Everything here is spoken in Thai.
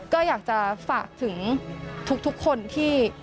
ก็อยากจะฝากถึงทุกคนที่